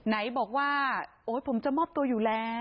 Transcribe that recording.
ไหนบอกว่าโอ๊ยผมจะมอบตัวอยู่แล้ว